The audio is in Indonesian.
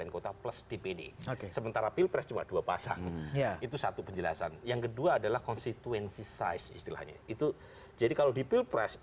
kepala kepala kepala